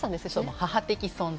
母的存在。